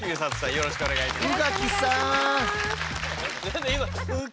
よろしくお願いします。